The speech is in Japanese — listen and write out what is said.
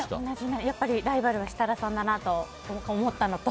ライバルは設楽さんだなと思ったのと。